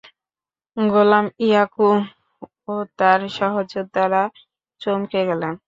গোলাম ইয়াকুব ও তার সহযোদ্ধারা চমকে গেলেন।